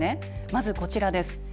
まずこちらです。